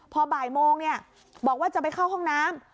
พอบ่ายโมงบอกว่าจะไปเข้าห้องน้ำ